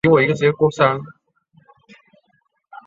被谭鑫培倚为左右手。